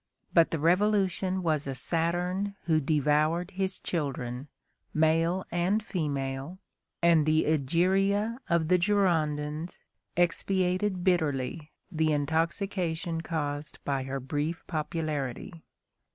But the Revolution was a Saturn who devoured his children, male and female, and the Egeria of the Girondins expiated bitterly the intoxication caused by her brief popularity.